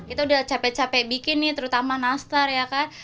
itu udah capek capek bikin nih terutama nastar ya kan